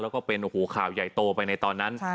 แล้วก็เป็นข่าวย่ายโตไปในตอนนั้น